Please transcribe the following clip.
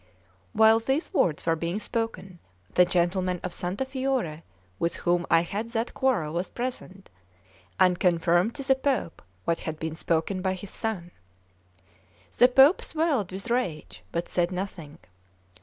CXIII WHILE these words were being spoken, the gentleman of Santa Fiore with whom I had that quarrel was present, and confirmed to the Pope what had been spoken by his son. The Pope swelled with rage, but said nothing.